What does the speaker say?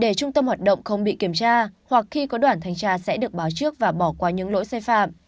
để trung tâm hoạt động không bị kiểm tra hoặc khi có đoàn thanh tra sẽ được báo trước và bỏ qua những lỗi sai phạm